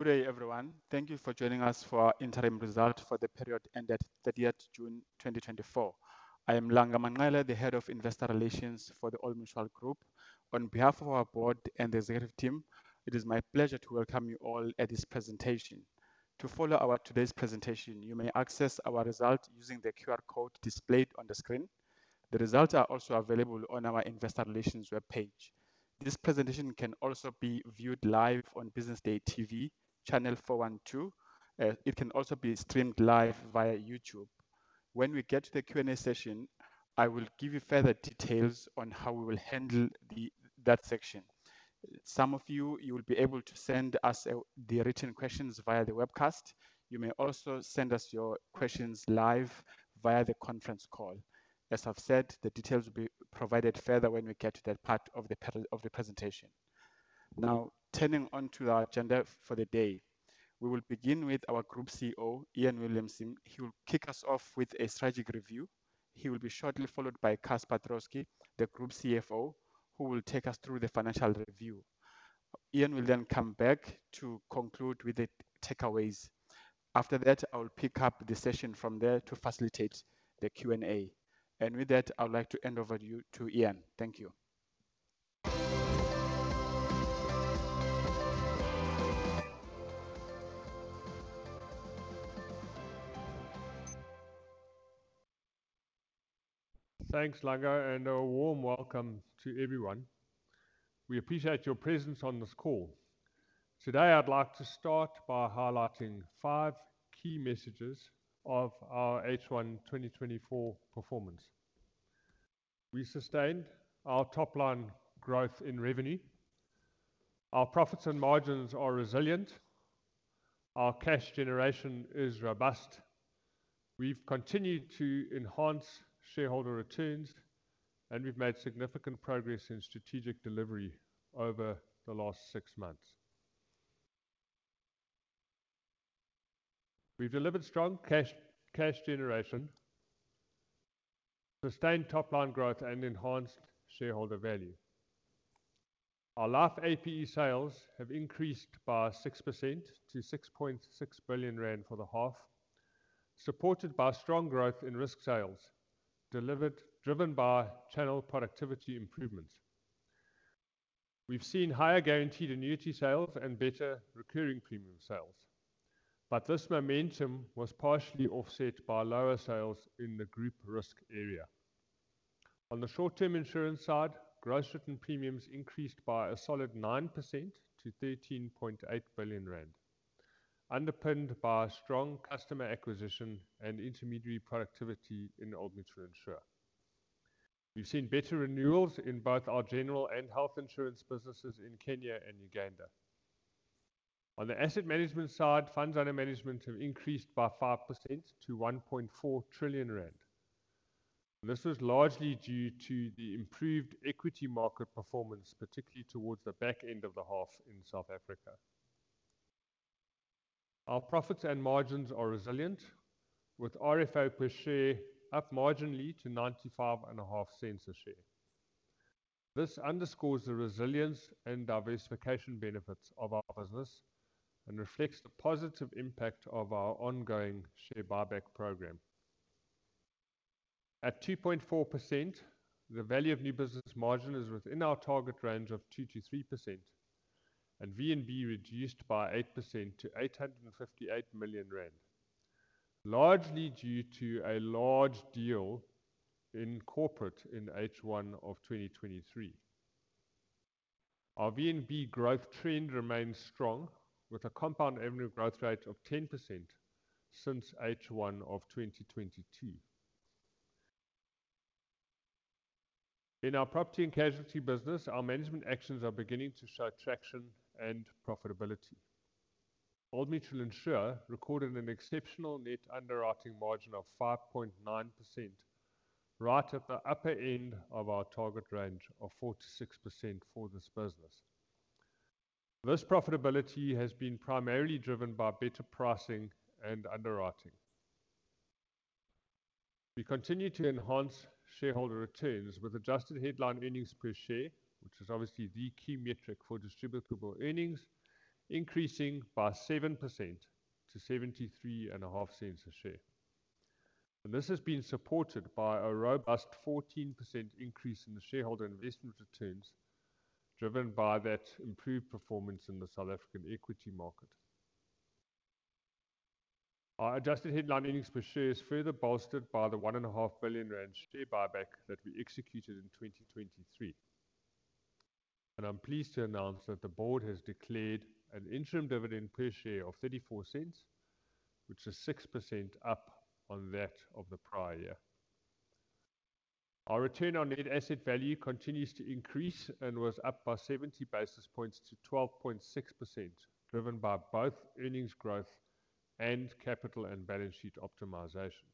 Good day, everyone. Thank you for joining us for our interim results for the period ended thirtieth June, 2024. I am Langa Manqele, the Head of Investor Relations for the Old Mutual Group. On behalf of our board and executive team, it is my pleasure to welcome you all at this presentation. To follow our today's presentation, you may access our results using the QR code displayed on the screen. The results are also available on our investor relations webpage. This presentation can also be viewed live on Business Day TV, channel four one two. It can also be streamed live via YouTube. When we get to the Q&A session, I will give you further details on how we will handle the, that section. Some of you, you will be able to send us, the written questions via the webcast. You may also send us your questions live via the conference call. As I've said, the details will be provided further when we get to that part of the presentation. Now, turning to our agenda for the day, we will begin with our Group CEO, Iain Williamson. He will kick us off with a strategic review. He will be shortly followed by Casper Troskie, the Group CFO, who will take us through the financial review. Iain will then come back to conclude with the takeaways. After that, I will pick up the session from there to facilitate the Q&A. And with that, I would like to hand over to you, to Iain. Thank you. Thanks, Langa, and a warm welcome to everyone. We appreciate your presence on this call. Today, I'd like to start by highlighting five key messages of our H1 2024 performance. We sustained our top line growth in revenue. Our profits and margins are resilient. Our cash generation is robust. We've continued to enhance shareholder returns, and we've made significant progress in strategic delivery over the last six months. We've delivered strong cash, cash generation, sustained top-line growth, and enhanced shareholder value. Our Life APE sales have increased by 6% to 6.6 billion rand for the half, supported by strong growth in risk sales delivered, driven by channel productivity improvements. We've seen higher guaranteed annuity sales and better recurring premium sales, but this momentum was partially offset by lower sales in the group risk area. On the short-term insurance side, gross written premiums increased by a solid 9% to 13.8 billion rand, underpinned by strong customer acquisition and intermediary productivity in Old Mutual Insure. We've seen better renewals in both our general and health insurance businesses in Kenya and Uganda. On the asset management side, funds under management have increased by 5% to 1.4 trillion rand. This was largely due to the improved equity market performance, particularly towards the back end of the half in South Africa. Our profits and margins are resilient, with RFO per share up marginally to $0.955. cents a share. This underscores the resilience and diversification benefits of our business and reflects the positive impact of our ongoing share buyback program. At 2.4%, the value of new business margin is within our target range of 2%-3%, and VNB reduced by 8% to 858 million rand, largely due to a large deal in corporate in H1 of 2023. Our VNB growth trend remains strong, with a compound annual growth rate of 10% since H1 of 2022. In our property and casualty business, our management actions are beginning to show traction and profitability. Old Mutual Insure recorded an exceptional net underwriting margin of 5.9%, right at the upper end of our target range of 4%-6% for this business. This profitability has been primarily driven by better pricing and underwriting. We continue to enhance shareholder returns with adjusted headline earnings per share, which is obviously the key metric for distributable earnings, increasing by 7% to 0.735 a share. And this has been supported by a robust 14% increase in the shareholder investment returns, driven by that improved performance in the South African equity market. Our adjusted headline earnings per share is further bolstered by the 1.5 billion rand share buyback that we executed in 2023. And I'm pleased to announce that the board has declared an interim dividend per share of 0.34, which is 6% up on that of the prior year. Our return on net asset value continues to increase and was up by 70 basis points to 12.6%, driven by both earnings growth and capital and balance sheet optimization.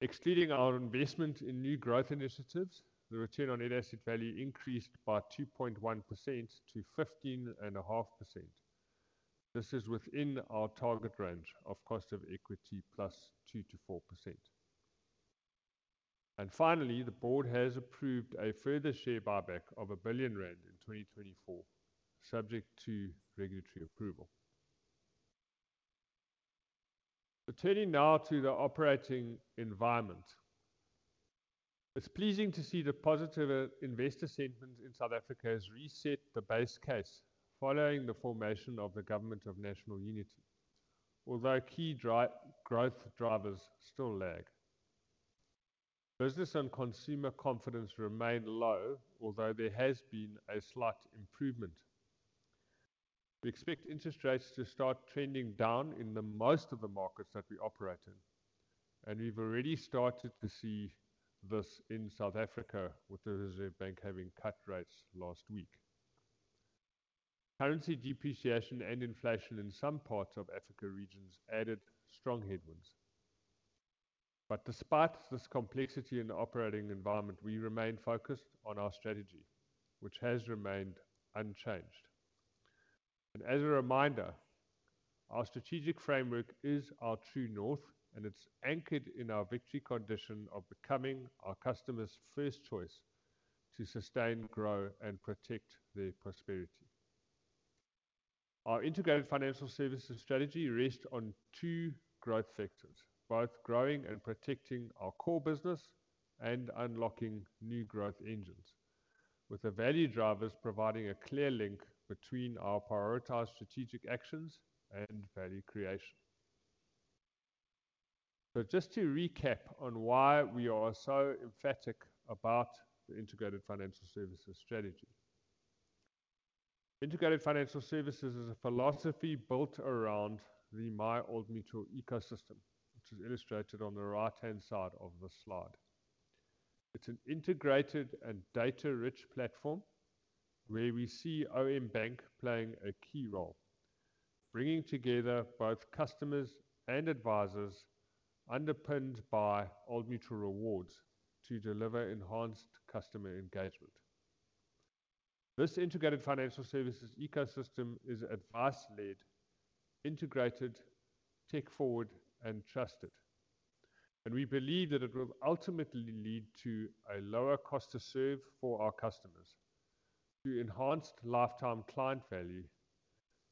Excluding our investment in new growth initiatives, the return on net asset value increased by 2.1% to 15.5%. This is within our target range of cost of equity plus 2%-4%.... And finally, the board has approved a further share buyback of 1 billion rand in 2024, subject to regulatory approval. Turning now to the operating environment. It's pleasing to see the positive investor sentiment in South Africa has reset the base case following the formation of the government of national unity, although key growth drivers still lag. Business and consumer confidence remain low, although there has been a slight improvement. We expect interest rates to start trending down in most of the markets that we operate in, and we've already started to see this in South Africa, with the Reserve Bank having cut rates last week. Currency depreciation and inflation in some parts of African regions added strong headwinds, but despite this complexity in the operating environment, we remain focused on our strategy, which has remained unchanged, and as a reminder, our strategic framework is our true north, and it's anchored in our victory condition of becoming our customers' first choice to sustain, grow, and protect their prosperity. Our integrated financial services strategy rests on two growth vectors: both growing and protecting our core business and unlocking new growth engines, with the value drivers providing a clear link between our prioritized strategic actions and value creation, so just to recap on why we are so emphatic about the integrated financial services strategy. Integrated financial services is a philosophy built around the MyOldMutual ecosystem, which is illustrated on the right-hand side of the slide. It's an integrated and data-rich platform where we see OM Bank playing a key role, bringing together both customers and advisors, underpinned by Old Mutual Rewards to deliver enhanced customer engagement. This integrated financial services ecosystem is advice-led, integrated, tech-forward, and trusted, and we believe that it will ultimately lead to a lower cost to serve for our customers, to enhanced lifetime client value,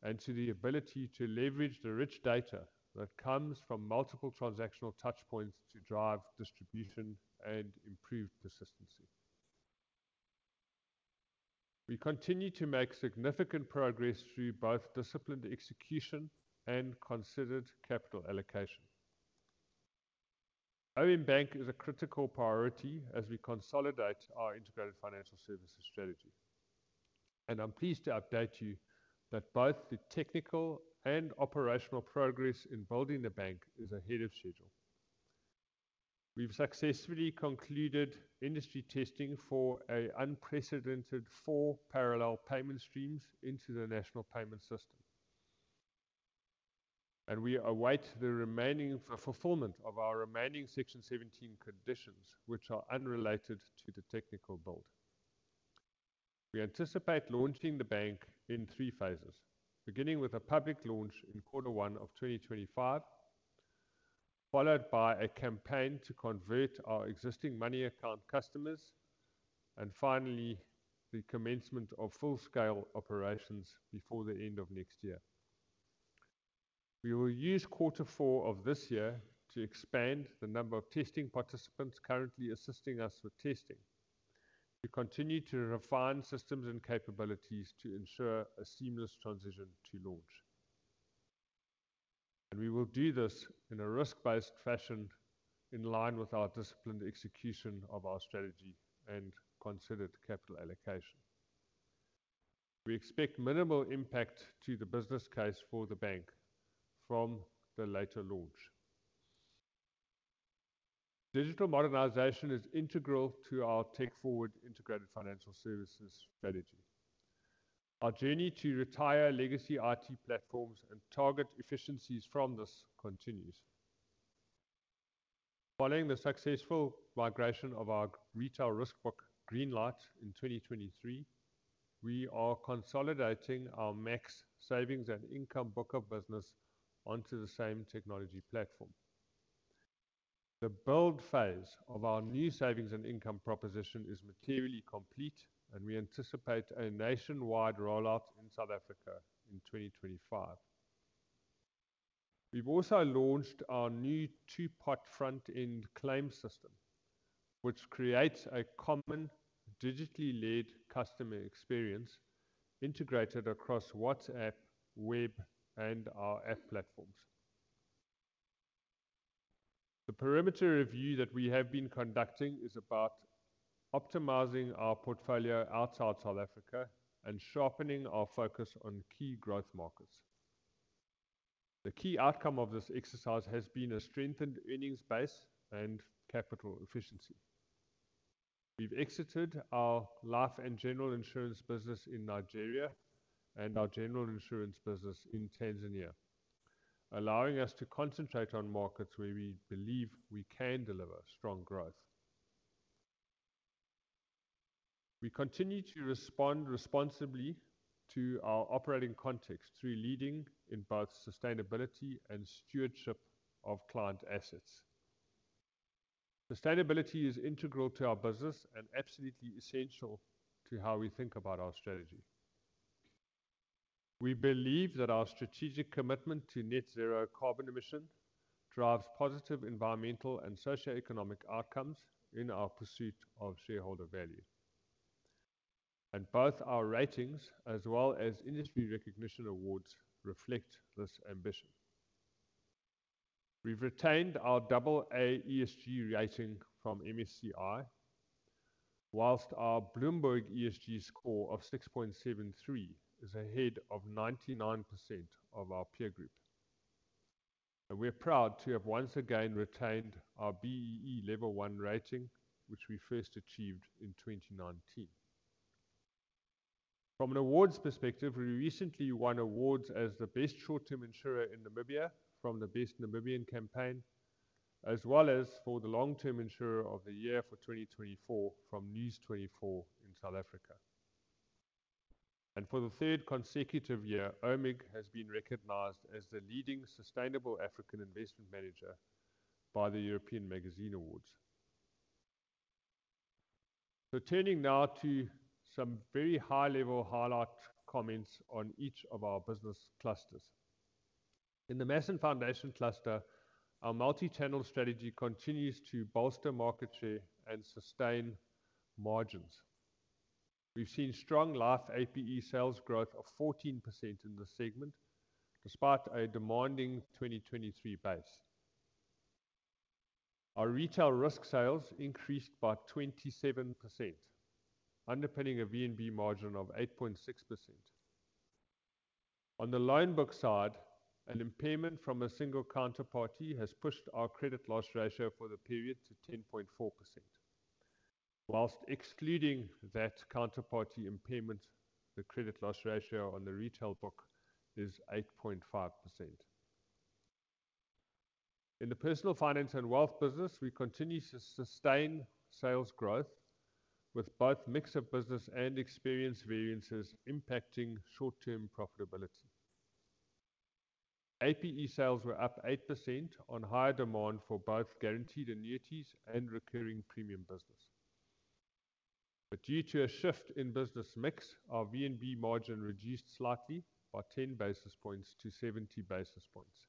and to the ability to leverage the rich data that comes from multiple transactional touchpoints to drive distribution and improve persistency. We continue to make significant progress through both disciplined execution and considered capital allocation. OM Bank is a critical priority as we consolidate our integrated financial services strategy, and I'm pleased to update you that both the technical and operational progress in building the bank is ahead of schedule. We've successfully concluded industry testing for an unprecedented four parallel payment streams into the national payment system. We await the remaining fulfillment of our remaining Section Seventeen conditions, which are unrelated to the technical build. We anticipate launching the bank in three phases, beginning with a public launch in quarter one of twenty twenty-five, followed by a campaign to convert our existing Money Account customers, and finally, the commencement of full-scale operations before the end of next year. We will use quarter four of this year to expand the number of testing participants currently assisting us with testing. We continue to refine systems and capabilities to ensure a seamless transition to launch. We will do this in a risk-based fashion, in line with our disciplined execution of our strategy and considered capital allocation. We expect minimal impact to the business case for the bank from the later launch. Digital modernization is integral to our tech-forward integrated financial services strategy. Our journey to retire legacy IT platforms and target efficiencies from this continues. Following the successful migration of our retail risk book, Greenlight, in 2023, we are consolidating our Max savings and income book of business onto the same technology platform. The build phase of our new savings and income proposition is materially complete, and we anticipate a nationwide rollout in South Africa in 2025. We've also launched our new two-part front-end claim system, which creates a common, digitally led customer experience integrated across WhatsApp, web, and our app platforms. The perimeter review that we have been conducting is about optimizing our portfolio outside South Africa and sharpening our focus on key growth markets. The key outcome of this exercise has been a strengthened earnings base and capital efficiency. We've exited our life and general insurance business in Nigeria and our general insurance business in Tanzania, allowing us to concentrate on markets where we believe we can deliver strong growth. We continue to respond responsibly to our operating context through leading in both sustainability and stewardship of client assets. Sustainability is integral to our business and absolutely essential to how we think about our strategy. We believe that our strategic commitment to net zero carbon emission drives positive environmental and socioeconomic outcomes in our pursuit of shareholder value. Both our ratings, as well as industry recognition awards, reflect this ambition. We've retained our double A ESG rating from MSCI, while our Bloomberg ESG score of 6.73 is ahead of 99% of our peer group. We're proud to have once again retained our BEE Level One rating, which we first achieved in 2019. From an awards perspective, we recently won awards as the Best Short-Term Insurer in Namibia from the Best Namibian Campaign, as well as for the Long-Term Insurer of the Year for 2024 from News24 in South Africa. For the third consecutive year, OMIG has been recognized as the leading sustainable African investment manager by the European Magazine Awards. Turning now to some very high-level highlight comments on each of our business clusters. In the Mass & Foundation cluster, our multi-channel strategy continues to bolster market share and sustain margins. We've seen strong life APE sales growth of 14% in this segment, despite a demanding 2023 base. Our retail risk sales increased by 27%, underpinning a VNB margin of 8.6%. On the loan book side, an impairment from a single counterparty has pushed our credit loss ratio for the period to 10.4%. While excluding that counterparty impairment, the credit loss ratio on the retail book is 8.5%. In the Personal Finance and Wealth business, we continue to sustain sales growth, with both mix of business and experience variances impacting short-term profitability. APE sales were up 8% on higher demand for both guaranteed annuities and recurring premium business, but due to a shift in business mix, our VNB margin reduced slightly by ten basis points to seventy basis points.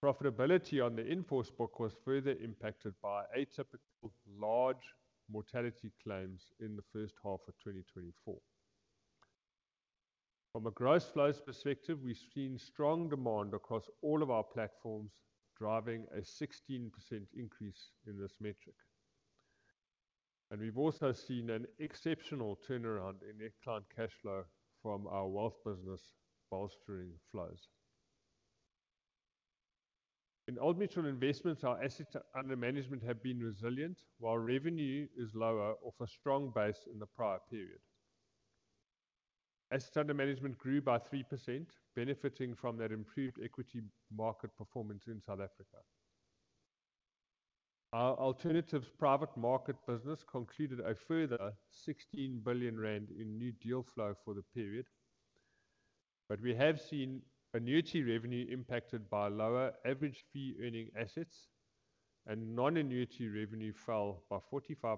Profitability on the in-force book was further impacted by atypical large mortality claims in the first half of 2024. From a gross flows perspective, we've seen strong demand across all of our platforms, driving a 16% increase in this metric. And we've also seen an exceptional turnaround in net client cash flow from our wealth business, bolstering flows. In Old Mutual Investments, our assets under management have been resilient, while revenue is lower off a strong base in the prior period. Assets under management grew by 3%, benefiting from that improved equity market performance in South Africa. Our alternatives private market business concluded a further 16 billion rand in new deal flow for the period, but we have seen annuity revenue impacted by lower average fee-earning assets, and non-annuity revenue fell by 45%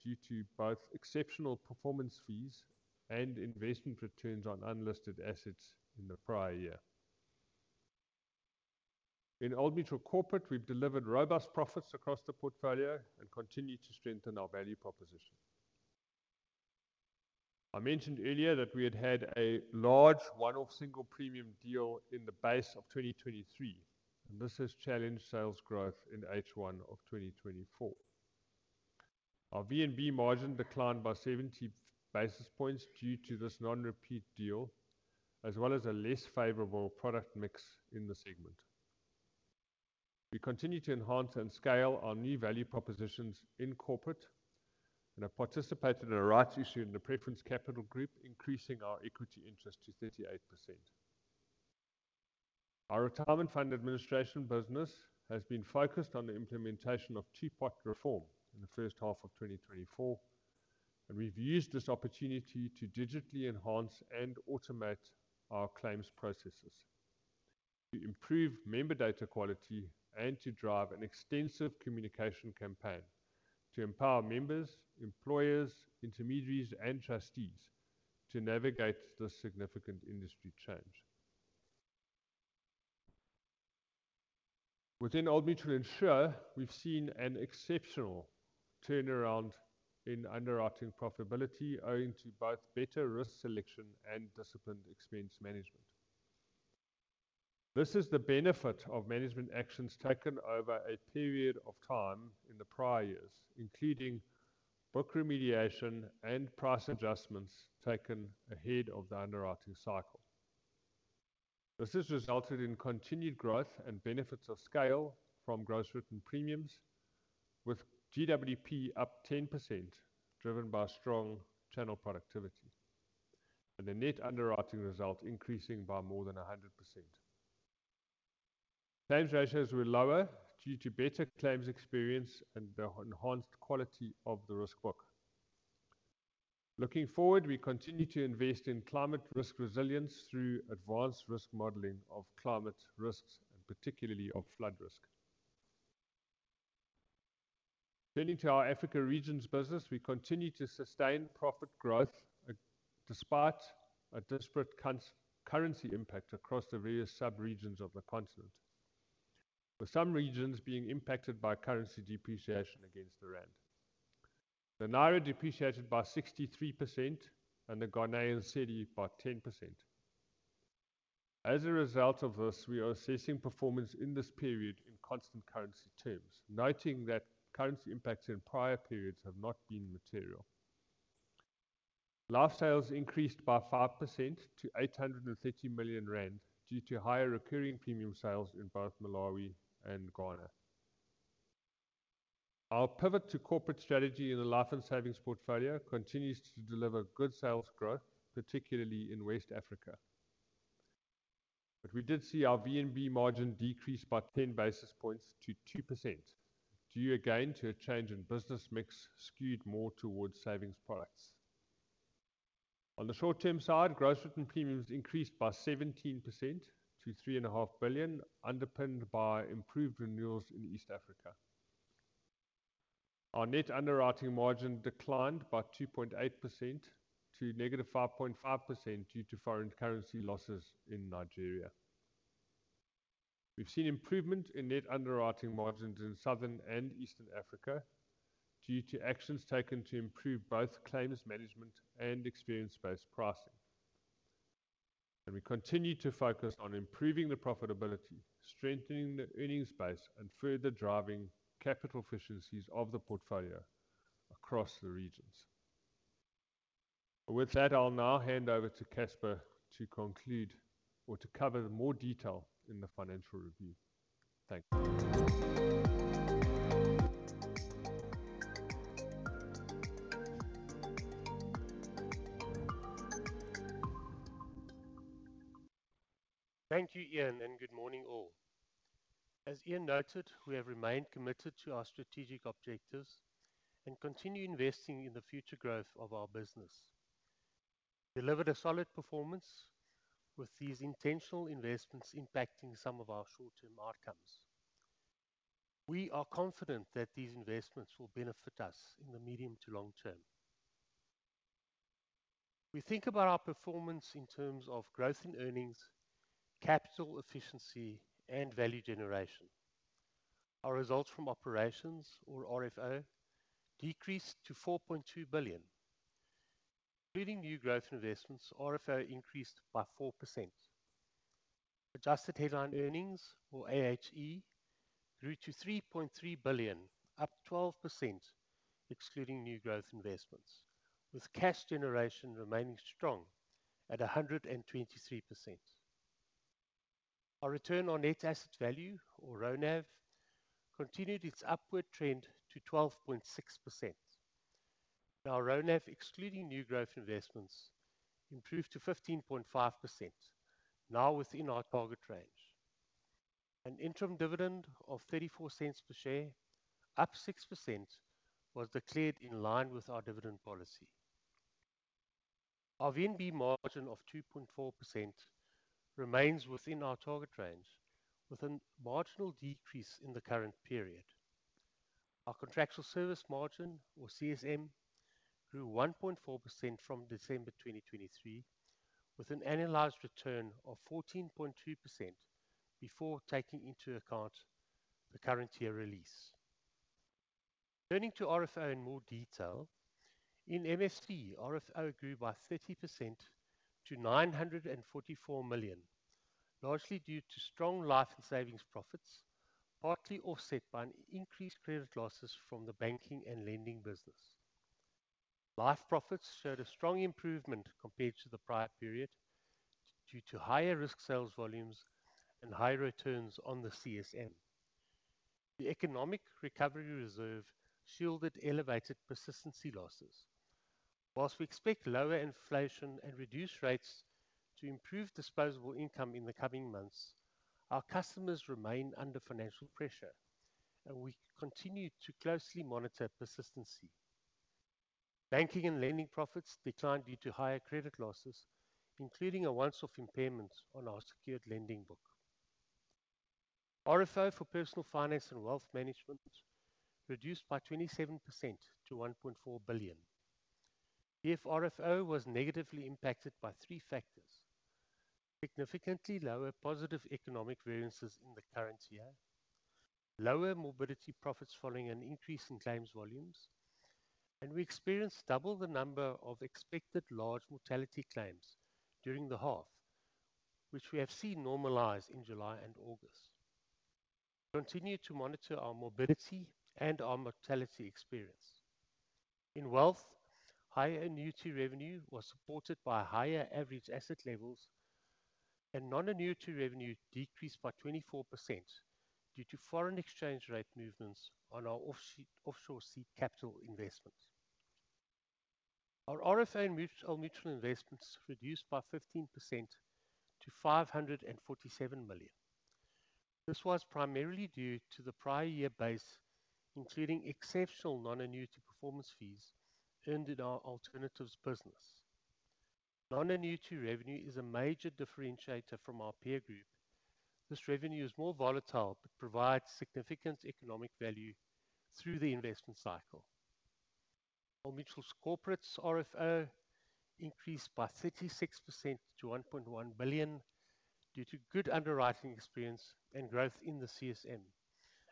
due to both exceptional performance fees and investment returns on unlisted assets in the prior year. In Old Mutual Corporate, we've delivered robust profits across the portfolio and continued to strengthen our value proposition. I mentioned earlier that we had had a large one-off single premium deal in the base of 2023, and this has challenged sales growth in H1 of 2024. Our VNB margin declined by 70 basis points due to this non-repeat deal, as well as a less favorable product mix in the segment. We continue to enhance and scale our new value propositions in Corporate and have participated in a rights issue in the Preference Capital Group, increasing our equity interest to 38%. Our retirement fund administration business has been focused on the implementation of Two-Pot reform in the first half of 2024, and we've used this opportunity to digitally enhance and automate our claims processes, to improve member data quality, and to drive an extensive communication campaign to empower members, employers, intermediaries, and trustees to navigate this significant industry change. Within Old Mutual Insure, we've seen an exceptional turnaround in underwriting profitability, owing to both better risk selection and disciplined expense management. This is the benefit of management actions taken over a period of time in the prior years, including book remediation and price adjustments taken ahead of the underwriting cycle. This has resulted in continued growth and benefits of scale from gross written premiums, with GWP up 10%, driven by strong channel productivity, and the net underwriting result increasing by more than 100%. Claims ratios were lower due to better claims experience and the enhanced quality of the risk book. Looking forward, we continue to invest in climate risk resilience through advanced risk modeling of climate risks, and particularly of flood risk. Turning to our Africa regions business, we continue to sustain profit growth, despite a disparate currency impact across the various sub-regions of the continent, with some regions being impacted by currency depreciation against the rand. The naira depreciated by 63% and the Ghanaian cedi by 10%. As a result of this, we are assessing performance in this period in constant currency terms, noting that currency impacts in prior periods have not been material. Life sales increased by 5% to 830 million rand due to higher recurring premium sales in both Malawi and Ghana. Our pivot to corporate strategy in the life and savings portfolio continues to deliver good sales growth, particularly in West Africa. But we did see our VNB margin decrease by 10 basis points to 2%, due again to a change in business mix skewed more towards savings products. On the short-term side, gross written premiums increased by 17% to 3.5 billion, underpinned by improved renewals in East Africa. Our net underwriting margin declined by 2.8% to -5.5% due to foreign currency losses in Nigeria. We've seen improvement in net underwriting margins in Southern and Eastern Africa due to actions taken to improve both claims management and experience-based pricing. We continue to focus on improving the profitability, strengthening the earnings base, and further driving capital efficiencies of the portfolio across the regions. With that, I'll now hand over to Casper to conclude or to cover more detail in the financial review. Thank you. Thank you, Iain, and good morning, all. As Iain noted, we have remained committed to our strategic objectives and continue investing in the future growth of our business. Delivered a solid performance, with these intentional investments impacting some of our short-term outcomes. We are confident that these investments will benefit us in the medium to long term. We think about our performance in terms of growth in earnings, capital efficiency, and value generation. Our results from operations, or RFO, decreased to 4.2 billion. Including new growth investments, RFO increased by 4%. Adjusted headline earnings, or AHE, grew to 3.3 billion, up 12% excluding new growth investments, with cash generation remaining strong at 123%. Our return on net asset value, or RoNAV, continued its upward trend to 12.6%. Now, RoNAV, excluding new growth investments, improved to 15.5%, now within our target range. An interim dividend of 0.34 per share, up 6%, was declared in line with our dividend policy. Our VNB margin of 2.4% remains within our target range, with a marginal decrease in the current period. Our contractual service margin, or CSM, grew 1.4% from December 2023, with an annualized return of 14.2% before taking into account the current year release. Turning to RFO in more detail, in MFC, RFO grew by 30% to 944 million, largely due to strong life and savings profits, partly offset by increased credit losses from the banking and lending business. Life profits showed a strong improvement compared to the prior period, due to higher risk sales volumes and high returns on the CSM. The economic recovery reserve shielded elevated persistency losses. While we expect lower inflation and reduced rates to improve disposable income in the coming months, our customers remain under financial pressure, and we continue to closely monitor persistency. Banking and lending profits declined due to higher credit losses, including a once-off impairment on our secured lending book. RFO for personal finance and wealth management reduced by 27% to 1.4 billion. Here, RFO was negatively impacted by three factors: significantly lower positive economic variances in the current year, lower morbidity profits following an increase in claims volumes, and we experienced double the number of expected large mortality claims during the half, which we have seen normalize in July and August. We continue to monitor our morbidity and our mortality experience. In wealth, high annuity revenue was supported by higher average asset levels, and non-annuity revenue decreased by 24% due to foreign exchange rate movements on our offshore seed capital investment. Our OMIG and Old Mutual investments reduced by 15% to 547 million. This was primarily due to the prior year base, including exceptional non-annuity performance fees earned in our alternatives business. Non-annuity revenue is a major differentiator from our peer group. This revenue is more volatile, but provides significant economic value through the investment cycle. Old Mutual Corporate's RFO increased by 36% to 1.1 billion, due to good underwriting experience and growth in the CSM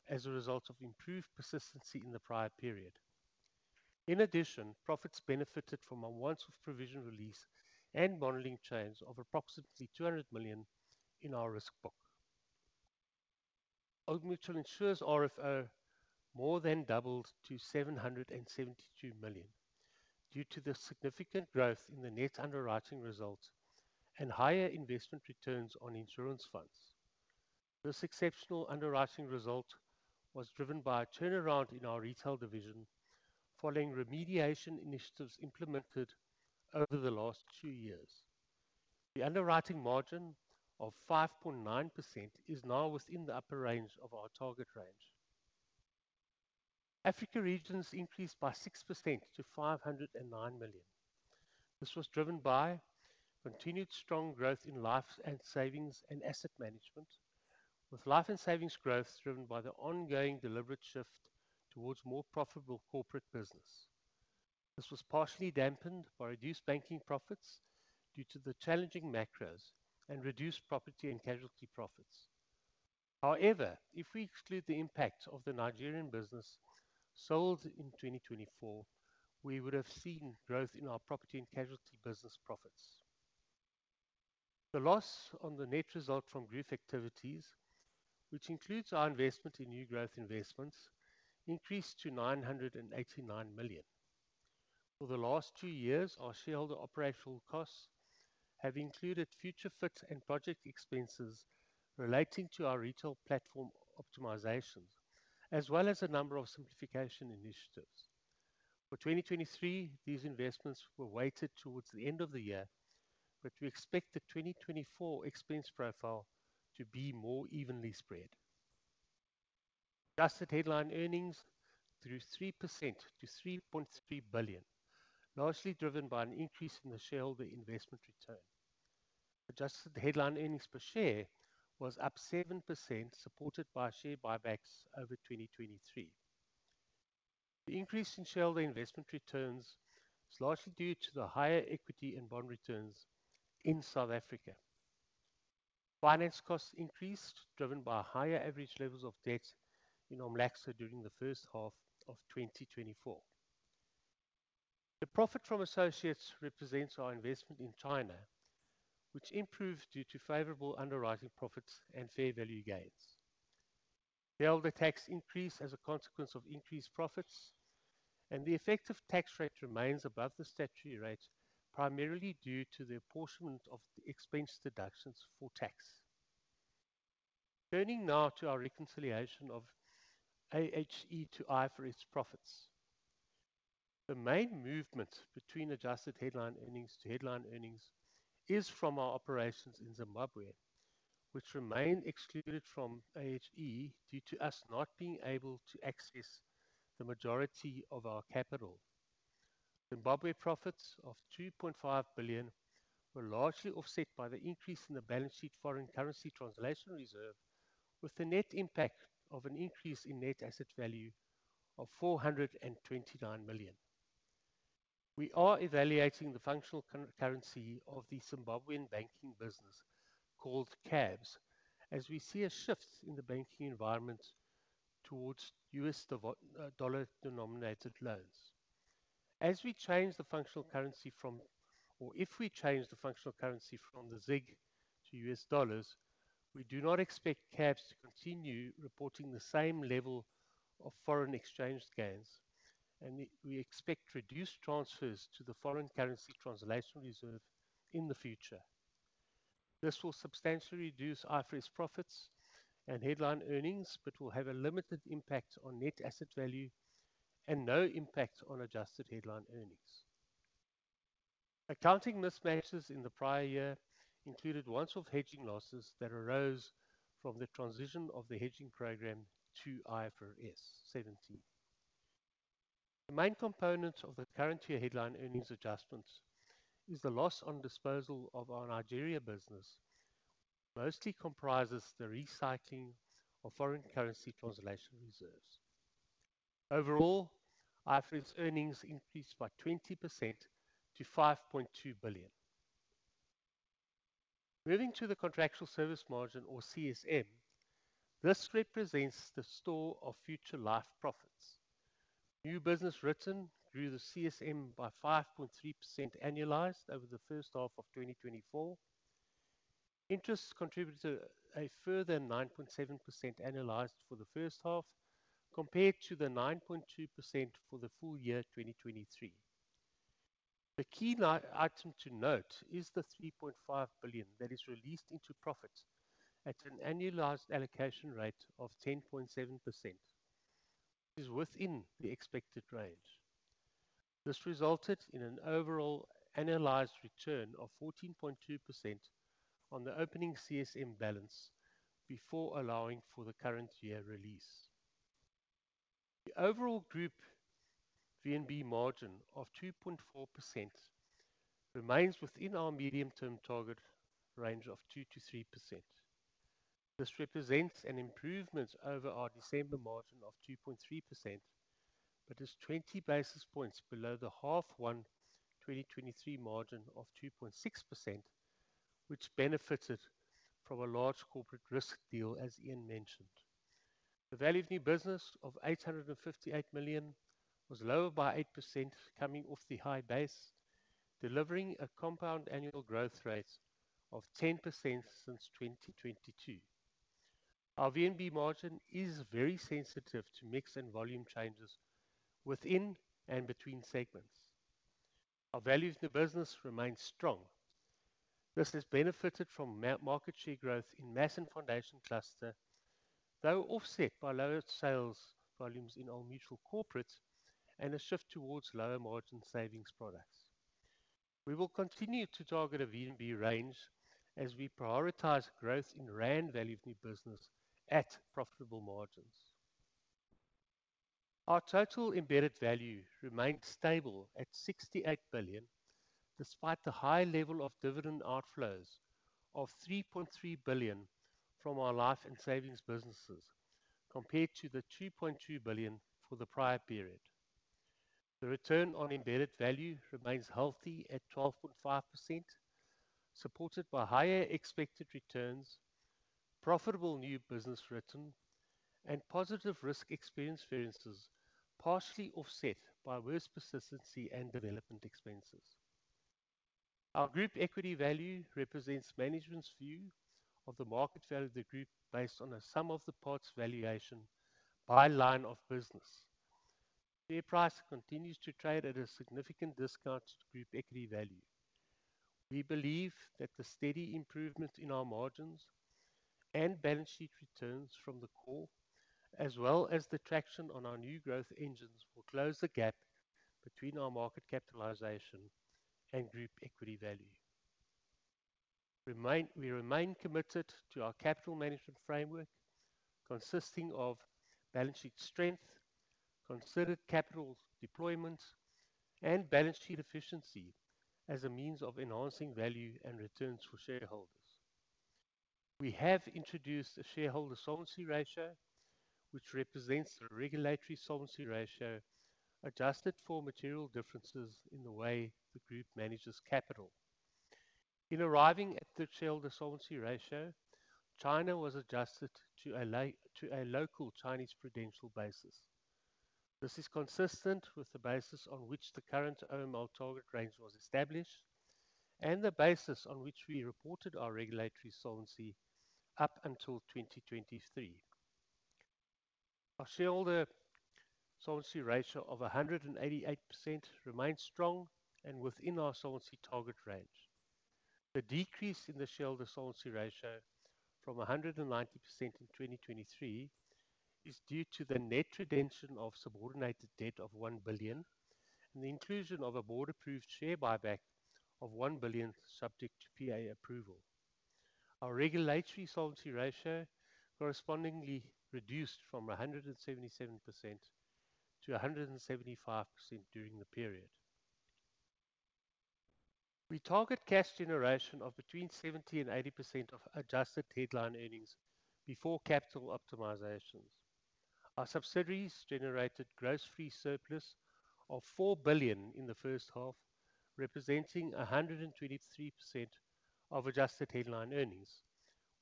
as a result of improved persistency in the prior period. In addition, profits benefited from a once-off provision release and modeling change of approximately 200 million in our risk book. Old Mutual Insure's RFO more than doubled to 772 million, due to the significant growth in the net underwriting results and higher investment returns on insurance funds. This exceptional underwriting result was driven by a turnaround in our retail division following remediation initiatives implemented over the last two years. The underwriting margin of 5.9% is now within the upper range of our target range. Africa Regions increased by 6% to 509 million. This was driven by continued strong growth in life and savings and asset management, with life and savings growth driven by the ongoing deliberate shift towards more profitable corporate business. This was partially dampened by reduced banking profits due to the challenging macros and reduced property and casualty profits. However, if we exclude the impact of the Nigerian business sold in 2024, we would have seen growth in our property and casualty business profits. The loss on the net result from group activities, which includes our investment in new growth investments, increased to 989 million. For the last two years, our shareholder operational costs have included Future Fit and project expenses relating to our retail platform optimizations, as well as a number of simplification initiatives. For 2023, these investments were weighted towards the end of the year, but we expect the 2024 expense profile to be more evenly spread. Adjusted Headline Earnings grew 3% to 3.3 billion, largely driven by an increase in the shareholder investment return. Adjusted Headline Earnings per share was up 7%, supported by share buybacks over 2023. The increase in shareholder investment returns was largely due to the higher equity and bond returns in South Africa. Finance costs increased, driven by higher average levels of debt in OMLACSA during the first half of 2024. The profit from associates represents our investment in China, which improved due to favorable underwriting profits and fair value gains. The shareholder tax increased as a consequence of increased profits, and the effective tax rate remains above the statutory rate, primarily due to the apportionment of the expense deductions for tax. Turning now to our reconciliation of AHE to IFRS profits. The main movement between adjusted headline earnings to headline earnings is from our operations in Zimbabwe, which remain excluded from AHE due to us not being able to access the majority of our capital. Zimbabwe profits of 2.5 billion were largely offset by the increase in the balance sheet foreign currency translation reserve, with the net impact of an increase in net asset value of 429 million. We are evaluating the functional currency of the Zimbabwean banking business, called CABS, as we see a shift in the banking environment towards US dollar-denominated loans. Or if we change the functional currency from the ZiG to U.S. dollars, we do not expect CABS to continue reporting the same level of foreign exchange gains, and we expect reduced transfers to the foreign currency translation reserve in the future. This will substantially reduce IFRS profits and headline earnings, but will have a limited impact on net asset value and no impact on adjusted headline earnings. Accounting mismatches in the prior year included once-off hedging losses that arose from the transition of the hedging program to IFRS 17. The main component of the current year headline earnings adjustments is the loss on disposal of our Nigeria business, mostly comprises the recycling of foreign currency translation reserves. Overall, IFRS earnings increased by 20% to 5.2 billion. Moving to the contractual service margin, or CSM. This represents the store of future life profits. New business written grew the CSM by 5.3% annualized over the first half of 2024. Interest contributed to a further 9.7% annualized for the first half, compared to the 9.2% for the full year 2023. The key line item to note is the 3.5 billion that is released into profit at an annualized allocation rate of 10.7% is within the expected range. This resulted in an overall analyzed return of 14.2% on the opening CSM balance before allowing for the current year release. The overall group VNB margin of 2.4% remains within our medium-term target range of 2%-3%. This represents an improvement over our December margin of 2.3%, but is 20 basis points below the half one 2023 margin of 2.6%, which benefited from a large corporate risk deal, as Iain mentioned. The value of new business of 858 million was lower by 8% coming off the high base, delivering a compound annual growth rate of 10% since 2022. Our VNB margin is very sensitive to mix and volume changes within and between segments. Our values in the business remain strong. This has benefited from market share growth in Mass and Foundation Cluster, though offset by lower sales volumes in our Old Mutual Corporate and a shift towards lower margin savings products. We will continue to target a VNB range as we prioritize growth in rand value of new business at profitable margins. Our total embedded value remained stable at 68 billion, despite the high level of dividend outflows of 3.3 billion from our life and savings businesses, compared to the 2.2 billion for the prior period. The return on embedded value remains healthy at 12.5%, supported by higher expected returns, profitable new business written, and positive risk experience variances, partially offset by worse persistency and development expenses. Our group equity value represents management's view of the market value of the group, based on a sum of the parts valuation by line of business. Share price continues to trade at a significant discount to group equity value. We believe that the steady improvement in our margins and balance sheet returns from the core, as well as the traction on our new growth engines, will close the gap between our market capitalization and group equity value. We remain committed to our capital management framework, consisting of balance sheet strength, considered capital deployment, and balance sheet efficiency as a means of enhancing value and returns for shareholders. We have introduced a shareholder solvency ratio, which represents the regulatory solvency ratio, adjusted for material differences in the way the group manages capital. In arriving at the shareholder solvency ratio, China was adjusted to a local Chinese prudential basis. This is consistent with the basis on which the current OML target range was established and the basis on which we reported our regulatory solvency up until 2023. Our shareholder solvency ratio of 188% remains strong and within our solvency target range. The decrease in the shareholder solvency ratio from 190% in 2023 is due to the net redemption of subordinated debt of 1 billion and the inclusion of a board-approved share buyback of 1 billion, subject to PA approval. Our regulatory solvency ratio correspondingly reduced from 177% to 175% during the period. We target cash generation of between 70% and 80% of adjusted headline earnings before capital optimizations. Our subsidiaries generated gross free surplus of 4 billion in the first half, representing 123% of adjusted headline earnings,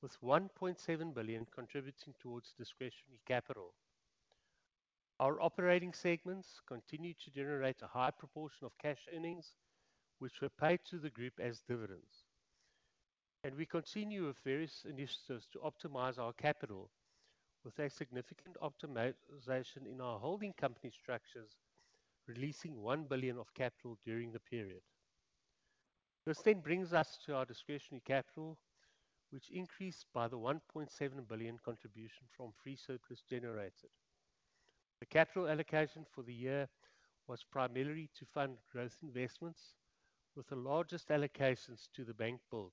with 1.7 billion contributing towards discretionary capital. Our operating segments continued to generate a high proportion of cash earnings, which were paid to the group as dividends. And we continue with various initiatives to optimize our capital, with a significant optimization in our holding company structures, releasing 1 billion of capital during the period. This then brings us to our discretionary capital, which increased by the 1.7 billion contribution from free surplus generated. The capital allocation for the year was primarily to fund growth investments, with the largest allocations to the bank build.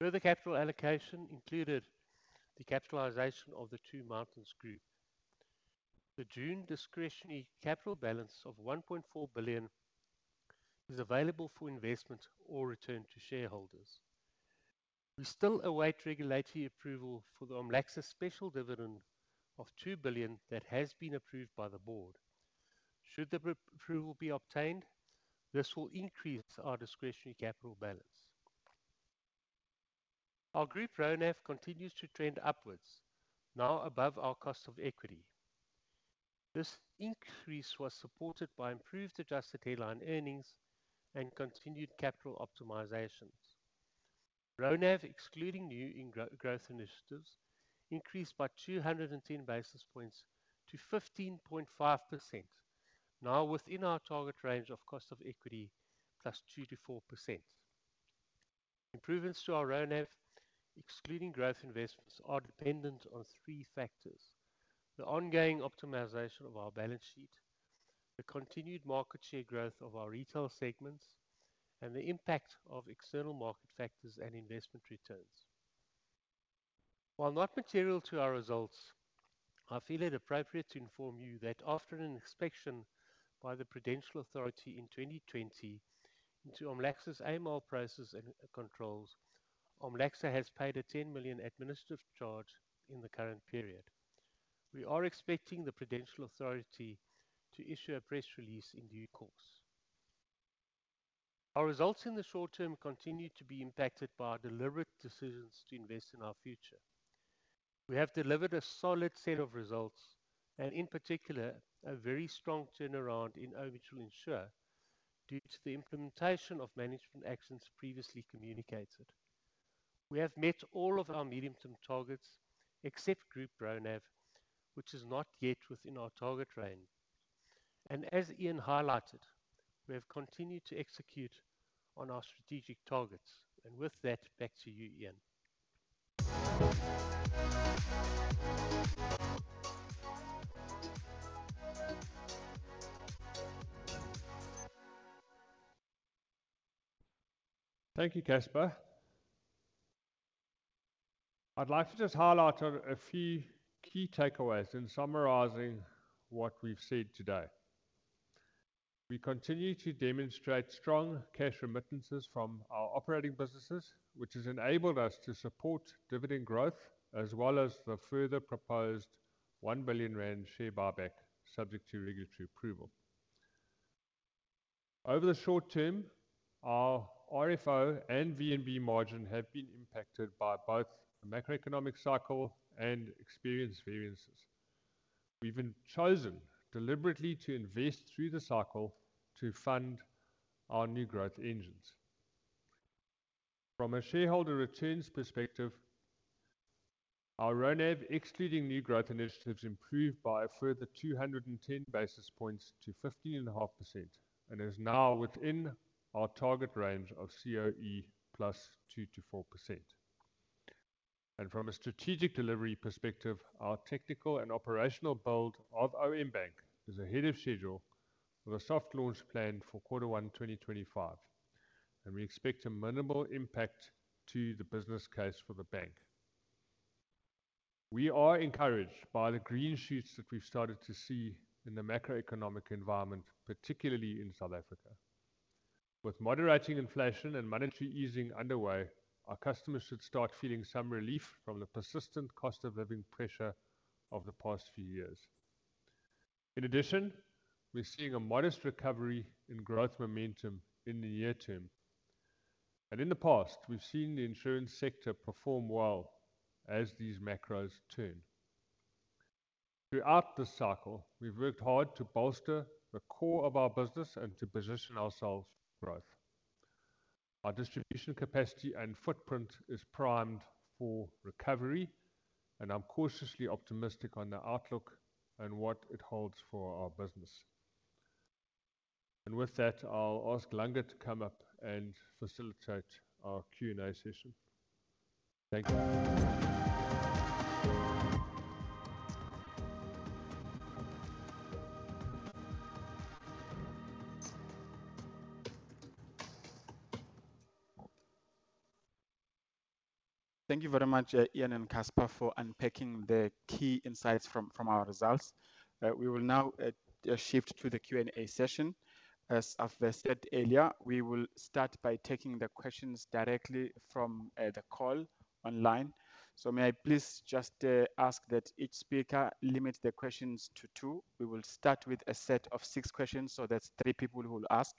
Further capital allocation included the capitalization of the Two Mountains Group. The June discretionary capital balance of 1.4 billion is available for investment or return to shareholders. We still await regulatory approval for the Omlax special dividend of 2 billion that has been approved by the board. Should the approval be obtained, this will increase our discretionary capital balance. Our group RONAV continues to trend upwards, now above our cost of equity. This increase was supported by improved adjusted headline earnings and continued capital optimizations. RoNAV, excluding new growth initiatives, increased by 210 basis points to 15.5%, now within our target range of cost of equity plus 2% to 4%. Improvements to our RoNAV, excluding growth investments, are dependent on three factors: the ongoing optimization of our balance sheet, the continued market share growth of our retail segments, and the impact of external market factors and investment returns. While not material to our results, I feel it appropriate to inform you that after an inspection by the Prudential Authority in 2020 into OMLACSA's AML process and controls, OMLACSA has paid a 10 million administrative charge in the current period. We are expecting the Prudential Authority to issue a press release in due course. Our results in the short term continue to be impacted by our deliberate decisions to invest in our future. We have delivered a solid set of results and, in particular, a very strong turnaround in Old Mutual Insure due to the implementation of management actions previously communicated. We have met all of our medium-term targets, except Group RoNAV, which is not yet within our target range. And as Iain highlighted, we have continued to execute on our strategic targets. And with that, back to you, Iain. Thank you, Casper. I'd like to just highlight a few key takeaways in summarizing what we've said today. We continue to demonstrate strong cash remittances from our operating businesses, which has enabled us to support dividend growth, as well as the further proposed 1 billion rand share buyback, subject to regulatory approval. Over the short term, our RFO and VNB margin have been impacted by both the macroeconomic cycle and experience variances. We've been chosen deliberately to invest through the cycle to fund our new growth engines. From a shareholder returns perspective, our RoNAV, excluding new growth initiatives, improved by a further 210 basis points to 15.5%, and is now within our target range of COE + 2%-4%. And from a strategic delivery perspective, our technical and operational build of OM Bank is ahead of schedule, with a soft launch planned for quarter one, 2025, and we expect a minimal impact to the business case for the bank. We are encouraged by the green shoots that we've started to see in the macroeconomic environment, particularly in South Africa. With moderating inflation and monetary easing underway, our customers should start feeling some relief from the persistent cost of living pressure of the past few years. In addition, we're seeing a modest recovery in growth momentum in the near term. And in the past, we've seen the insurance sector perform well as these macros turn. Throughout this cycle, we've worked hard to bolster the core of our business and to position ourselves for growth. Our distribution capacity and footprint is primed for recovery, and I'm cautiously optimistic on the outlook and what it holds for our business, and with that, I'll ask Langa to come up and facilitate our Q&A session. Thank you. Thank you very much, Iain and Casper, for unpacking the key insights from our results. We will now shift to the Q&A session. As I've said earlier, we will start by taking the questions directly from the call online. So may I please just ask that each speaker limits their questions to two. We will start with a set of six questions, so that's three people who will ask.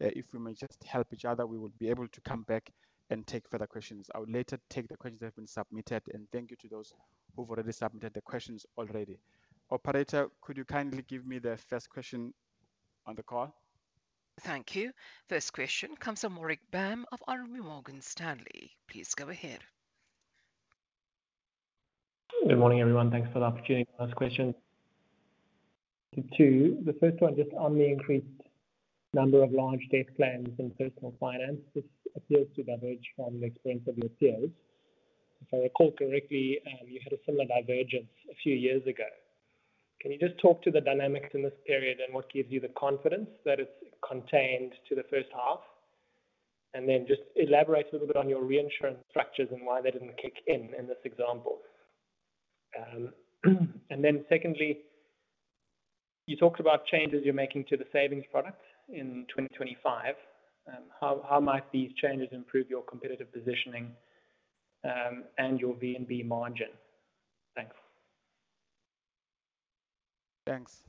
If we may just help each other, we will be able to come back and take further questions. I will later take the questions that have been submitted, and thank you to those who've already submitted the questions. Operator, could you kindly give me the first question on the call? Thank you. First question comes from Warwick Bam of RMB Morgan Stanley. Please go ahead. Good morning, everyone. Thanks for the opportunity to ask questions. Two, the first one just on the increased number of large death claims in Personal Finance. This appears to diverge from the experience of your peers. If I recall correctly, you had a similar divergence a few years ago. Can you just talk to the dynamics in this period, and what gives you the confidence that it's contained to the first half? And then just elaborate a little bit on your reinsurance structures and why they didn't kick in in this example. And then secondly, you talked about changes you're making to the savings product in twenty twenty-five. How might these changes improve your competitive positioning, and your VNB margin? Thanks. Thanks.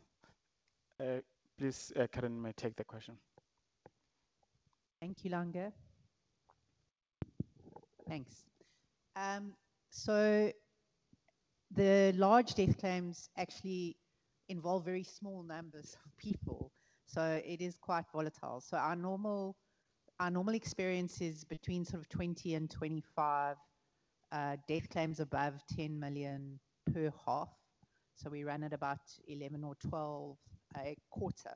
Please, Kerrin may take the question. Thank you, Langa. Thanks, so the large death claims actually involve very small numbers of people, so it is quite volatile. Our normal experience is between sort of 20 and 25 death claims above 10 million per half. We ran at about 11 or 12 a quarter.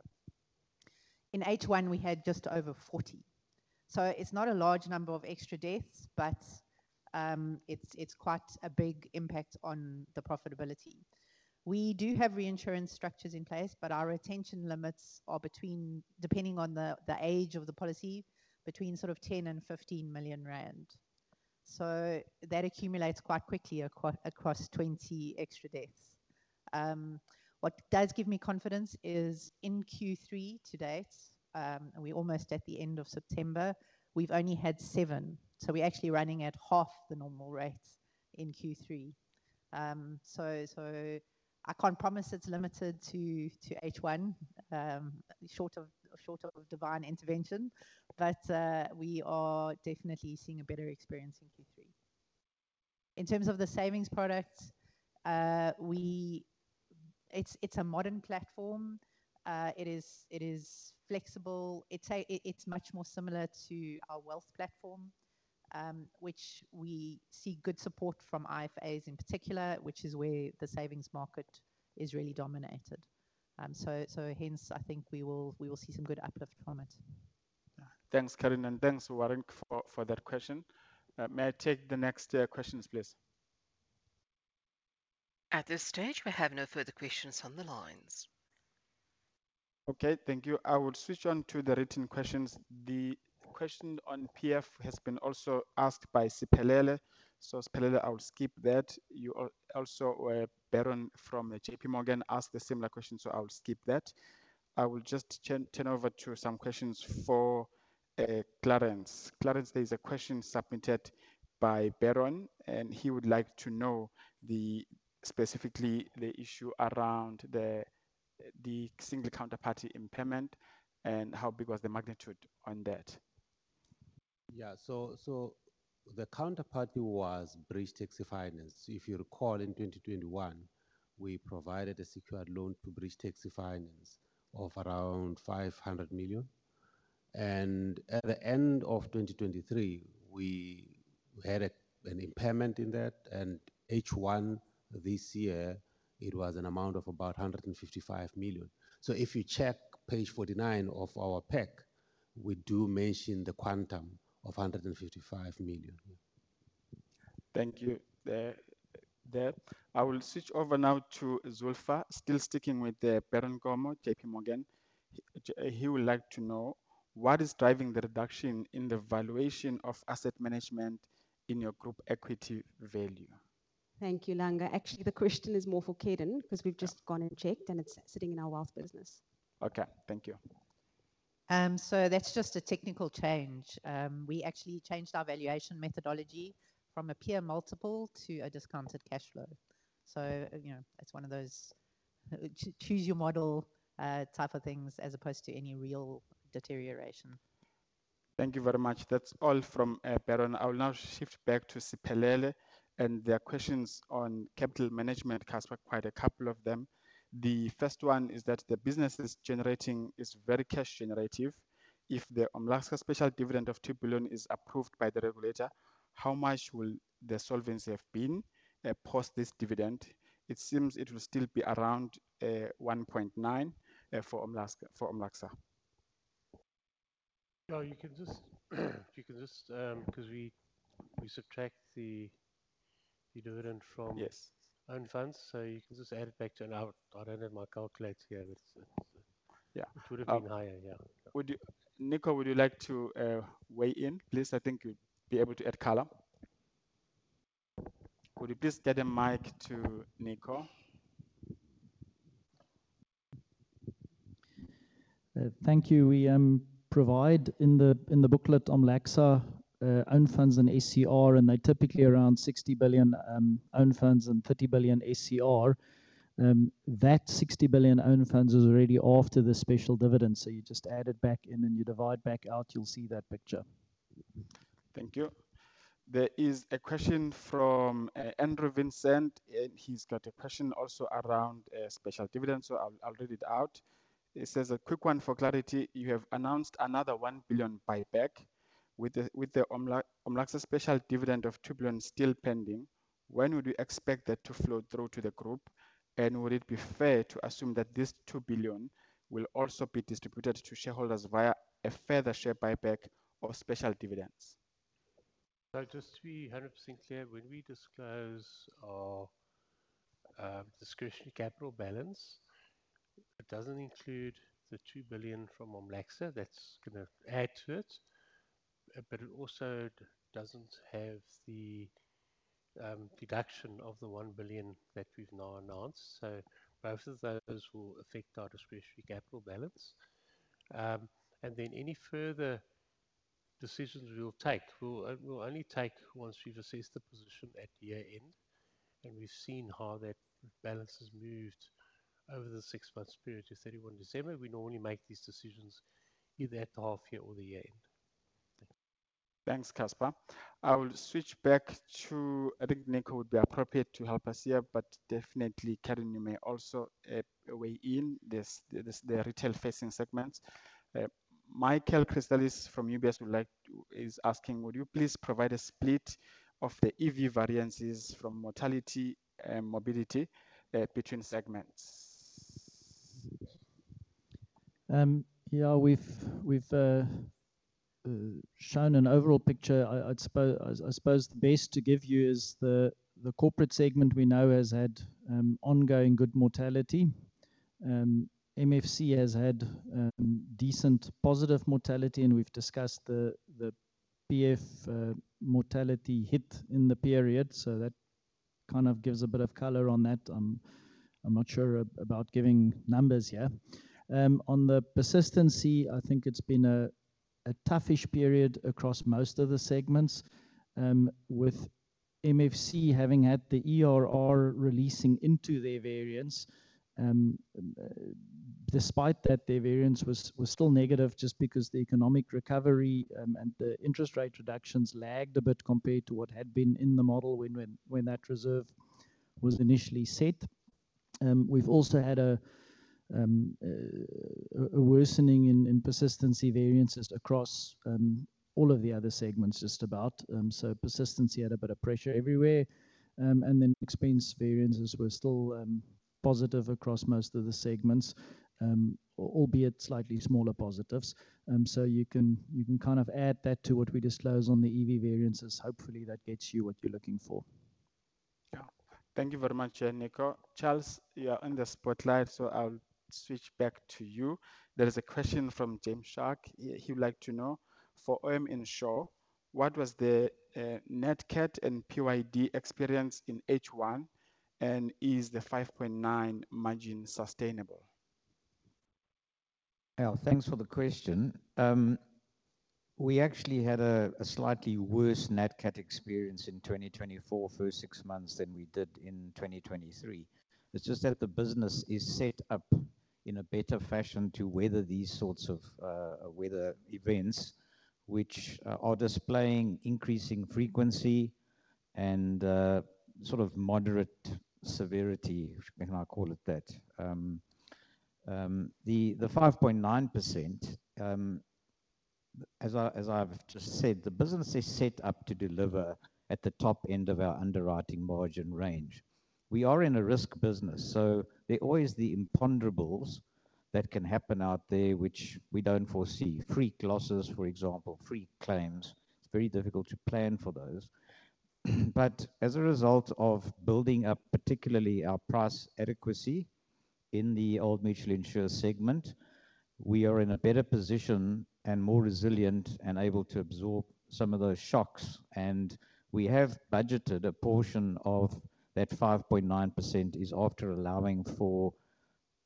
In H1, we had just over 40. It's not a large number of extra deaths, but it's quite a big impact on the profitability. We do have reinsurance structures in place, but our retention limits are between, depending on the age of the policy, between sort of 10 million and 15 million rand. That accumulates quite quickly across 20 extra deaths. What does give me confidence is in Q3 to date, and we're almost at the end of September, we've only had seven, so we're actually running at half the normal rates in Q3. So I can't promise it's limited to H1, short of divine intervention, but we are definitely seeing a better experience in Q3. In terms of the savings product, it's a modern platform. It is flexible. It's much more similar to our wealth platform, which we see good support from IFAs in particular, which is where the savings market is really dominated. Hence, I think we will see some good uplift from it. Thanks, Karen, and thanks, Warwick, for that question. May I take the next questions, please? At this stage, we have no further questions on the lines. Okay, thank you. I will switch on to the written questions. The question on PF has been also asked by Siphelele. So Siphelele, I will skip that. You also, Baran from JP Morgan asked a similar question, so I will skip that. I will just turn over to some questions for Clarence. Clarence, there's a question submitted by BarAn, and he would like to know specifically the issue around the single counterparty impairment, and how big was the magnitude on that? Yeah, so the counterparty was Bridge Taxi Finance. If you recall, in 2021, we provided a secured loan to Bridge Taxi Finance of around 500 million, and at the end of 2023, we had an impairment in that, and H1 this year, it was an amount of about 155 million. So if you check page 49 of our pack, we do mention the quantum of 155 million. Thank you. I will switch over now to Zulfa. Still sticking with the Baran, JP Morgan. He would like to know: What is driving the reduction in the valuation of asset management in your group equity value? Thank you, Langa. Actually, the question is more for Kerrin, because we've just gone and checked, and it's sitting in our wealth business. Okay, thank you. So that's just a technical change. We actually changed our valuation methodology from a peer multiple to a discounted cash flow. So, you know, it's one of those choose your model type of things, as opposed to any real deterioration. Thank you very much. That's all from Baran. I will now shift back to Siphelele, and there are questions on capital management. Casper, quite a couple of them. The first one is that the business is generating very cash generative. If the Omlax special dividend of 2 billion is approved by the regulator, how much will the solvency have been post this dividend? It seems it will still be around 1.9 billion for Omlax. No, you can just. Because we subtract the dividend from- Yes - own funds, so you can just add it back to... And I don't have my calculator here, but, Yeah. It would have been higher, yeah. Would you, Nico, would you like to weigh in, please? I think you'd be able to add color. Would you please get a mic to Nico? Thank you. We provide in the booklet Omlax own funds and SCR, and they're typically around 60 billion own funds and 30 billion SCR. That 60 billion own funds is already after the special dividend. So you just add it back in, and you divide back out, you'll see that picture. Thank you. There is a question from Andrew Vincent, and he's got a question also around a special dividend, so I'll read it out. It says: "A quick one for clarity. You have announced another 1 billion buyback with the Omlax's special dividend of 2 billion still pending. When would we expect that to flow through to the group? And would it be fair to assume that this 2 billion will also be distributed to shareholders via a further share buyback or special dividends? So just to be 100% clear, when we disclose our discretionary capital balance, it doesn't include the 2 billion from Omlax. That's gonna add to it, but it also doesn't have the deduction of the 1 billion that we've now announced. So both of those will affect our discretionary capital balance. And then any further decisions we will take; we will only take once we've assessed the position at year-end, and we've seen how that balance has moved over the six-month period to 31 December. We normally make these decisions either at the half year or the year-end. Thanks, Casper. I will switch back to... I think Nico would be appropriate to help us here, but definitely, Kerrin, you may also weigh in this, the retail-facing segment. Michael Christelis from UBS would like to... is asking, would you please provide a split of the EV variances from mortality and morbidity between segments? Yeah, we've shown an overall picture. I suppose the best to give you is the corporate segment we know has had ongoing good mortality. MFC has had decent positive mortality, and we've discussed the PF mortality hit in the period, so that kind of gives a bit of color on that. I'm not sure about giving numbers here. On the persistency, I think it's been a toughish period across most of the segments. With MFC having had the ERR releasing into their variance, despite that, their variance was still negative just because the economic recovery and the interest rate reductions lagged a bit compared to what had been in the model when that reserve was initially set. We've also had a worsening in persistency variances across all of the other segments, just about. So persistency had a bit of pressure everywhere. And then expense variances were still positive across most of the segments, albeit slightly smaller positives. So you can kind of add that to what we disclose on the EV variances. Hopefully, that gets you what you're looking for. Yeah. Thank you very much, Nico. Charles, you are in the spotlight, so I'll switch back to you. There is a question from James Starke. He would like to know, for OM Insure, what was the net CAT and PYD experience in H1, and is the 5.9% margin sustainable? Thanks for the question. We actually had a slightly worse net CAT experience in twenty twenty-four first six months than we did in twenty twenty-three. It's just that the business is set up in a better fashion to weather these sorts of weather events, which are displaying increasing frequency and sort of moderate severity, if I call it that. The 5.9 %, as I've just said, the business is set up to deliver at the top end of our underwriting margin range. We are in a risk business, so there are always the imponderables that can happen out there which we don't foresee. Freak losses, for example, freak claims, it's very difficult to plan for those. But as a result of building up, particularly our price adequacy in the Old Mutual Insure segment, we are in a better position and more resilient and able to absorb some of those shocks. And we have budgeted a portion of that 5.9% is after allowing for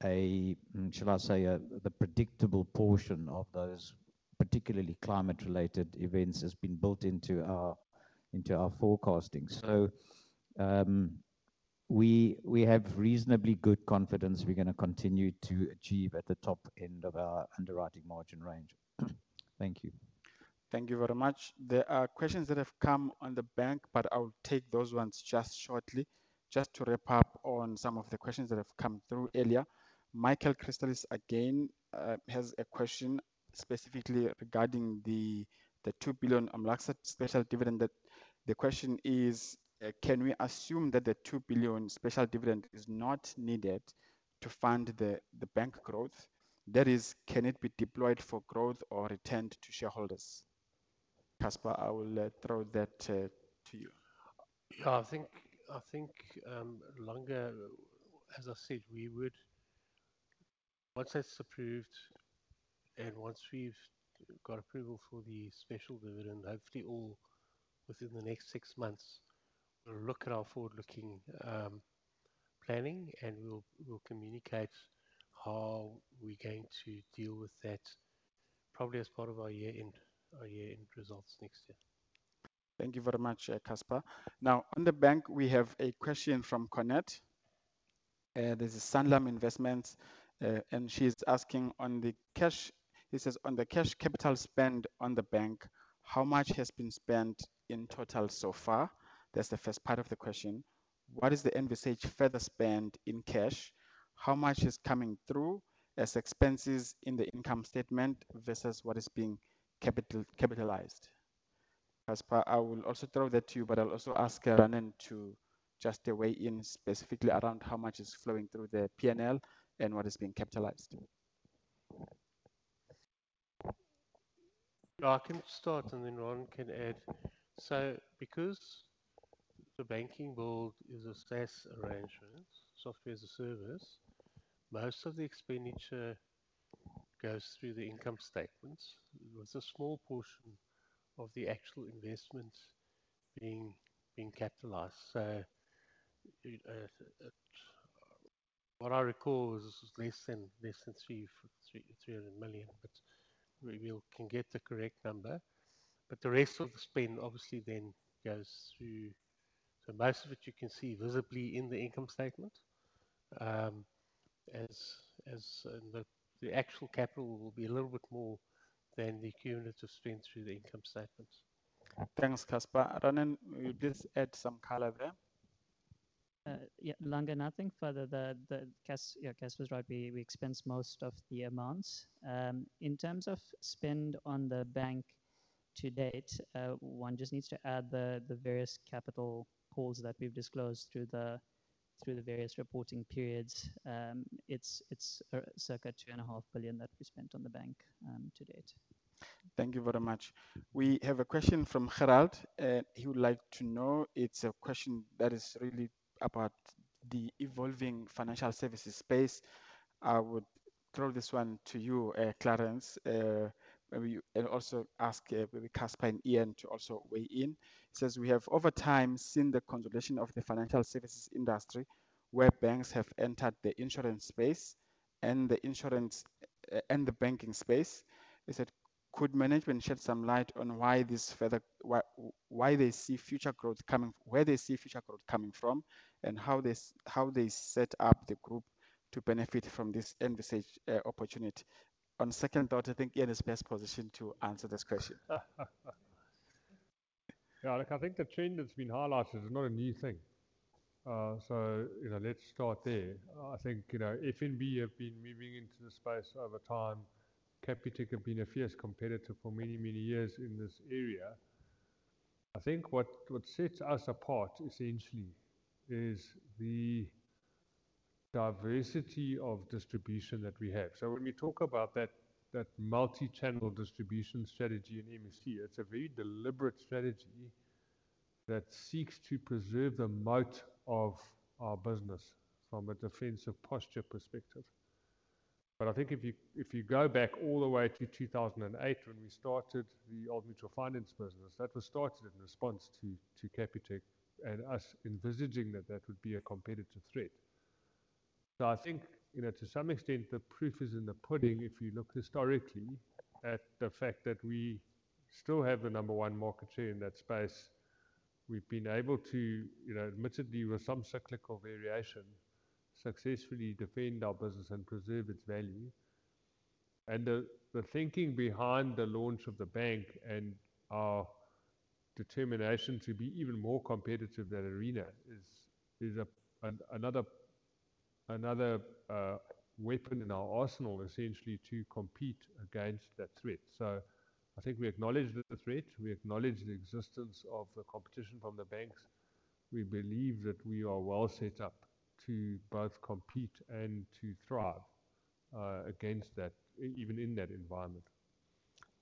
a, shall I say, the predictable portion of those, particularly climate-related events, has been built into our forecasting. So, we have reasonably good confidence we're gonna continue to achieve at the top end of our underwriting margin range. Thank you. Thank you very much. There are questions that have come on the bank, but I'll take those ones just shortly. Just to wrap up on some of the questions that have come through earlier. Michael Crystalis, again, has a question specifically regarding the two billion Omlax special dividend that... The question is: Can we assume that the two billion special dividend is not needed to fund the bank growth? That is, can it be deployed for growth or returned to shareholders? Casper, I will throw that to you. Yeah, I think, Langa, as I said, we would. Once that's approved and once we've got approval for the special dividend, hopefully all within the next six months, we'll look at our forward-looking planning, and we'll communicate how we're going to deal with that, probably as part of our year-end results next year. Thank you very much, Casper. Now, on the bank, we have a question from Cornette, this is Sanlam Investments. And she's asking on the cash. It says, "On the cash capital spend on the bank, how much has been spent in total so far?" That's the first part of the question. "What is the envisaged further spend in cash? How much is coming through as expenses in the income statement versus what is being capitalized?" Casper, I will also throw that to you, but I'll also ask Ranen to just weigh in specifically around how much is flowing through the P&L and what is being capitalized. Yeah, I can start, and then Ranen can add. So because the banking world is a SaaS arrangement, software as a service, most of the expenditure goes through the income statement, with a small portion of the actual investment being capitalized. So what I recall is less than three hundred million, but we will get the correct number. But the rest of the spend obviously then goes through the income statement. So most of it you can see visibly in the income statement. As in the actual capital will be a little bit more than the cumulative spend through the income statement. Thanks, Casper. Ranen, will you please add some color there? Yeah, Langa, nothing further. Thanks, Cas. Yeah, Casper was right. We expense most of the amounts. In terms of spend on the bank to date, one just needs to add the various capital calls that we've disclosed through the various reporting periods. It's circa 2.5 billion that we spent on the bank to date. Thank you very much. We have a question from Harold, and he would like to know... It's a question that is really about the evolving financial services space. I would throw this one to you, Clarence. Maybe you-- And also ask, maybe Casper and Iain to also weigh in. He says: "We have over time seen the consolidation of the financial services industry, where banks have entered the insurance space and the insurance, and the banking space." He said, "Could management shed some light on why this further, why they see future growth coming-- where they see future growth coming from, and how they set up the group to benefit from this envisaged, opportunity? On second thought, I think Iain is best positioned to answer this question. Yeah, look, I think the trend that's been highlighted is not a new thing. So, you know, let's start there. I think, you know, FNB have been moving into this space over time. Capitec have been a fierce competitor for many, many years in this area. I think what sets us apart essentially is the diversity of distribution that we have. So when we talk about that multi-channel distribution strategy in MFC, it's a very deliberate strategy that seeks to preserve the moat of our business from a defensive posture perspective. But I think if you go back all the way to 2008, when we started the Old Mutual Finance business, that was started in response to Capitec and us envisaging that that would be a competitive threat. So I think, you know, to some extent, the proof is in the pudding if you look historically at the fact that we still have the number one market share in that space. We've been able to, you know, admittedly with some cyclical variation, successfully defend our business and preserve its value. And the thinking behind the launch of the bank and our determination to be even more competitive, that arena is another weapon in our arsenal, essentially, to compete against that threat. So I think we acknowledge the threat, we acknowledge the existence of the competition from the banks. We believe that we are well set up to both compete and to thrive against that, even in that environment.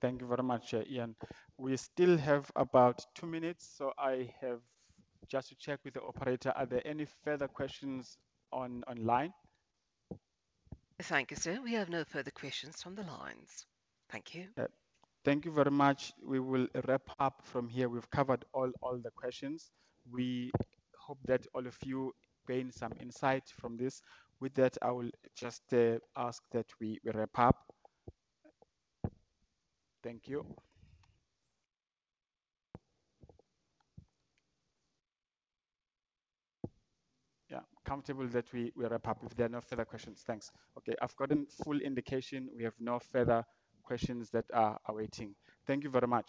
Thank you very much, Iain. We still have about two minutes, so I have just to check with the operator, are there any further questions online? Thank you, sir. We have no further questions from the lines. Thank you. Thank you very much. We will wrap up from here. We've covered all the questions. We hope that all of you gained some insight from this. With that, I will just ask that we wrap up. Thank you. Yeah, comfortable that we wrap up if there are no further questions. Thanks. Okay, I've gotten full indication we have no further questions that are awaiting. Thank you very much.